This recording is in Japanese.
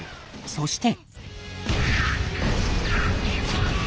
そして。